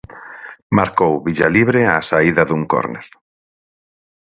Marcou Villalibre á saída dun córner.